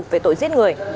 về tội giết người